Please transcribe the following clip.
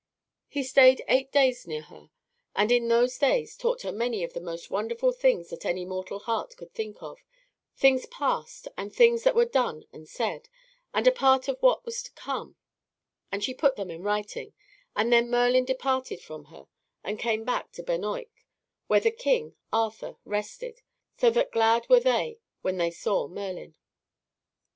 He stayed eight days near her, and in those days taught her many of the most "wonderful things that any mortal heart could think of, things past and things that were done and said, and a part of what was to come; and she put them in writing, and then Merlin departed from her and came to Benoyk, where the king, Arthur, rested, so that glad were they when they saw Merlin."